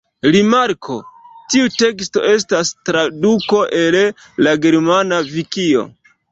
Rimarko: Tiu teksto estas traduko el la germana vikio.